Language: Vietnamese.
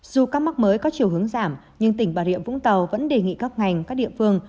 dù các mắc mới có chiều hướng giảm nhưng tỉnh bà rịa vũng tàu vẫn đề nghị các ngành các địa phương